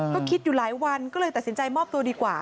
ก็คิดอยู่หลายวันก็เลยตัดสินใจมอบตัวดีกว่า